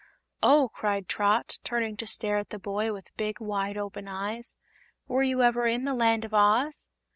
"Oh!" cried Trot, turning to stare at the boy with big, wide open eyes; "were you ever in the Land of Oz?"